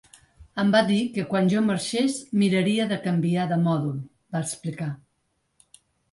Em va dir que quan jo marxés miraria de canviar de mòdul, va explicar.